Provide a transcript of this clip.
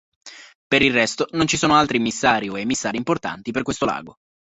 Per il resto non ci sono altri immissari o emissari importanti per questo lago.